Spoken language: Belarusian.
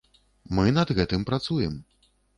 Мы над гэтым працуем.